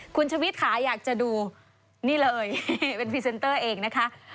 คุณชวิตค่ะอยากจะดูนี่เลยเป็นพรีเซนเตอร์เองนะคะ